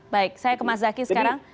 baik saya ke mas zaky sekarang